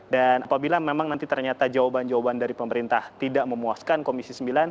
dan apabila memang nanti ternyata jawaban jawaban dari pemerintah tidak memuaskan komisi sembilan